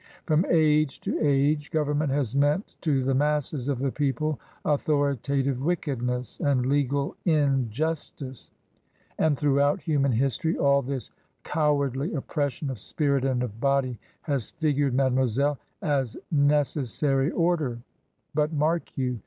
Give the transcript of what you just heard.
From age to age gov ernment has meant to the masses of the people authori tative wickedness and legal injustice. And throughout human history all this cowardly oppression of spirit and of body has figured, mademoiselle, as necessary order I But mark you